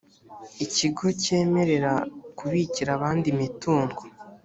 ikigo cyemerera kubikira abandi imitungo